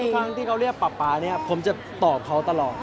ทุกครั้งที่เขาเรียกป๊าผมจะตอบเขาตลอด